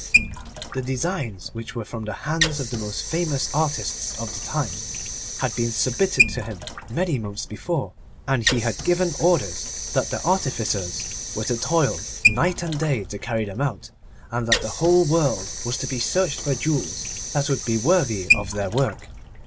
The designs, which were from the hands of the most famous artists of the time, had been submitted to him many months before, and he had given orders that the artificers were to toil night and day to carry them out, and that the whole world was to be searched for jewels that would be worthy of their work.